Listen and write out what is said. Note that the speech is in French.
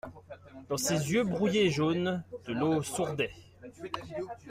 Dans ses yeux brouillés et jaunes, de l'eau sourdait.